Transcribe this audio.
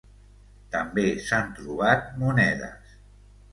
També s'han trobat monedes.